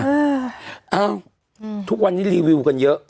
อ้าวทุกวันนี้รีวิวกันเยอะ